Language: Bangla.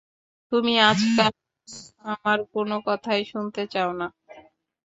তুমি আজকাল আমার কোন কথাই শুনতে চাও না!